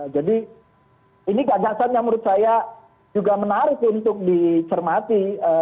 jadi ini gagasannya menurut saya juga menarik untuk dicermati